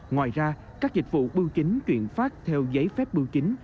ngoài ra các dịch vụ bưu chính chuyển phát theo giấy phép bưu chính